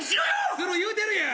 する言うてるやん。